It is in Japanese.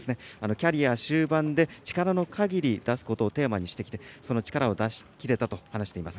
キャリア終盤で力の限りを出すことをテーマにしてきて力を出し切れたと話しています。